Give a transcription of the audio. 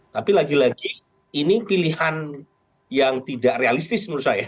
tapi lagi lagi ini pilihan yang tidak realistis menurut saya